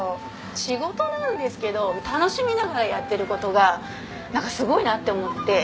仕事なんですけど楽しみながらやってる事がなんかすごいなって思って。